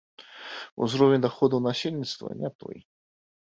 Узровень даходаў насельніцтва не той.